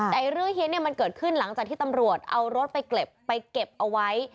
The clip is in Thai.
แต่เรื่องเฮียนเนี่ยมันเกิดขึ้นหลังจากที่ตำรวจเอารถไปเก็บไปเก็บเอาไว้